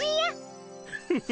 フフフ。